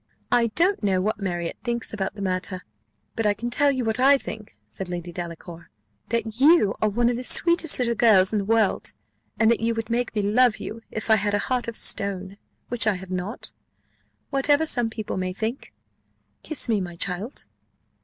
"I don't know what Marriott thinks about the matter, but I can tell you what I think," said Lady Delacour, "that you are one of the sweetest little girls in the world, and that you would make me love you if I had a heart of stone, which I have not, whatever some people may think. Kiss me, my child!"